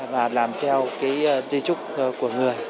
và làm theo dĩ trúc của người